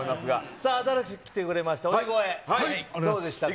さあ、新しく来てくれた鬼越、どうでしたか？